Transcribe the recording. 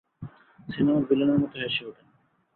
সিনেমার ভিলেনের মতো হেসে ওঠেন।